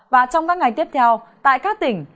và trong các ngày tiếp theo tại các tỉnh